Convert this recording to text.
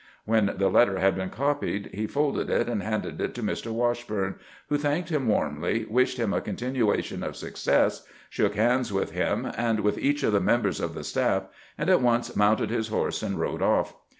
^'' When the letter had been copied, he folded it and handed it to Mr. Washbume, who thanked him warmly, wished him a continuation of success, shook hands with him and with each of the members of the staff, and at once mounted his horse and rode off.